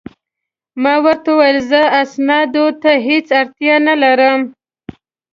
ما ورته وویل: زه اسنادو ته هیڅ اړتیا نه لرم.